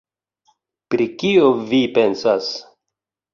Pri kio vi pensas?